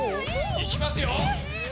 行きますよ